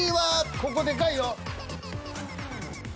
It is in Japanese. ここでかいよ。